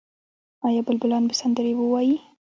آیا بلبلان به سندرې ووايي؟